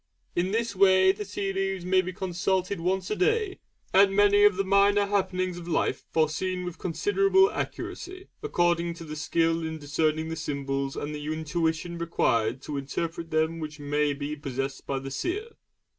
In this way the tea leaves may be consulted once a day, and many of the minor happenings of life foreseen with considerable accuracy, according to the skill in discerning the symbols and the intuition required to interpret them which may be possessed by the seer.